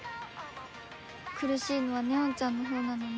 苦しいのは祢音ちゃんのほうなのに。